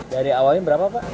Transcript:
dari awalnya berapa pak